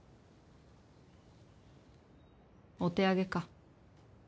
お手上げか。